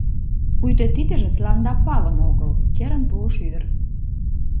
— Пуйто тидыже тыланда палыме огыл! — керын пуыш ӱдыр.